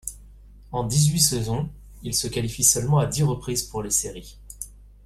En dix-huit saisons, ils se qualifient seulement à dix reprises pour les séries.